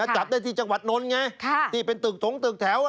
จับได้ที่จังหวัดนนท์ไงที่เป็นตึกถงตึกแถว